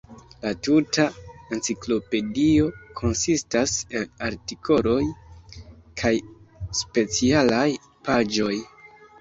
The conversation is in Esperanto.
La tuta enciklopedio konsistas el artikoloj kaj specialaj paĝoj.